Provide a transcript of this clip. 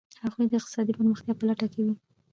هغوی د اقتصادي پرمختیا په لټه کې دي.